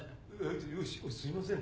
すいません。